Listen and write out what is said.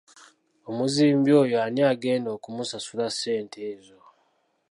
Omuzimbi oyo ani agenda okumusasula ssente ezo?